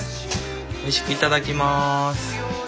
おいしくいただきます！